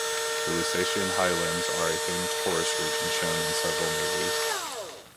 The Lusatian Highlands are a famous tourist region shown in several movies.